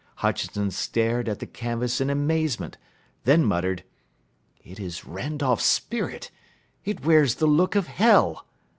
Hutchinson stared at the canvas in amazement, then muttered, "It is Randolph's spirit! It wears the look of hell."